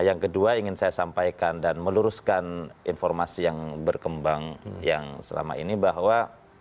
yang kedua ingin saya sampaikan dan meluruskan informasi yang berkembang yang selama ini bahwa